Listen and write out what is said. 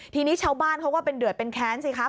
ทีนี้ชาวบ้านเขาก็เป็นเดือดเป็นแค้นสิครับ